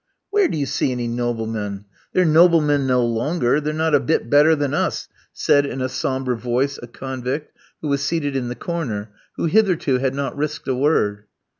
"Where do you see any noblemen? They're noblemen no longer. They're not a bit better than us," said in a sombre voice a convict who was seated in the corner, who hitherto had not risked a word.